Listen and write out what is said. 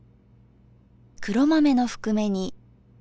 黒豆のふくめ煮。